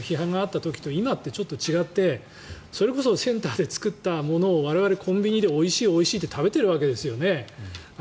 かつて確かにセンター方式が批判があった時と今は結構違ってそれこそセンターで作ったものを我々はコンビニでおいしい、おいしいって食べているわけですよね。